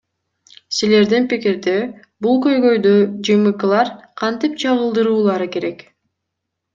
Силердин пикирде, бул көйгөйдү ЖМКлар кантип чагылдыруулары керек?